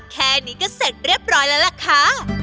แค่นี้ก็เสร็จเรียบร้อยแล้วล่ะค่ะ